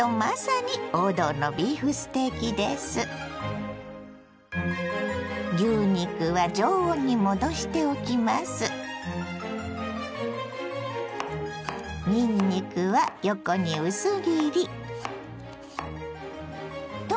にんにくは横に薄切り。